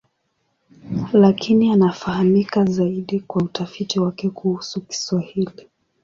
Lakini anafahamika zaidi kwa utafiti wake kuhusu Kiswahili.